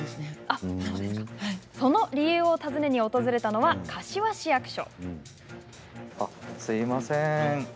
その理由を尋ねに訪れたのは、柏市役所。